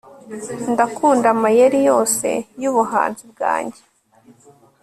Ndakunda amayeri yose yubuhanzi bwanjye